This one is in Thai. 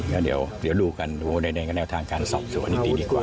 ก็เดี๋ยวเรียนดูกันระดับขุดแณวทางการสอบสวนดีดีกว่ะ